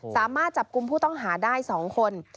สามารถจับกลุ่มผู้ต้องหาได้๒คน